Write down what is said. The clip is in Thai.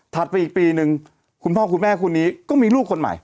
ไปอีกปีนึงคุณพ่อคุณแม่คู่นี้ก็มีลูกคนใหม่